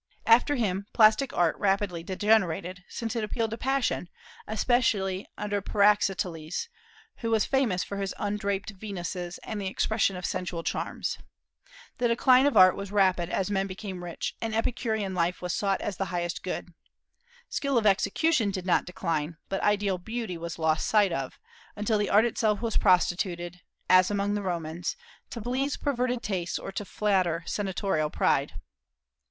After him plastic art rapidly degenerated, since it appealed to passion, especially under Praxiteles, who was famous for his undraped Venuses and the expression of sensual charms. The decline of Art was rapid as men became rich, and Epicurean life was sought as the highest good. Skill of execution did not decline, but ideal beauty was lost sight of, until the art itself was prostituted as among the Romans to please perverted tastes or to flatter senatorial pride.